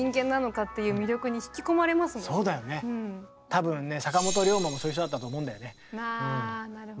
多分ね坂本龍馬もそういう人だったと思うんだよね。